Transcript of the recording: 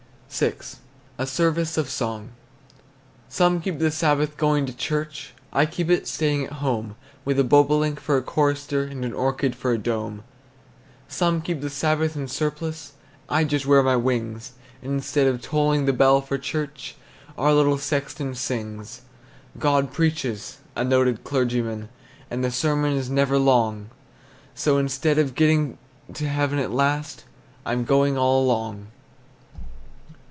VI. A SERVICE OF SONG. Some keep the Sabbath going to church; I keep it staying at home, With a bobolink for a chorister, And an orchard for a dome. Some keep the Sabbath in surplice; I just wear my wings, And instead of tolling the bell for church, Our little sexton sings. God preaches, a noted clergyman, And the sermon is never long; So instead of getting to heaven at last, I'm going all along!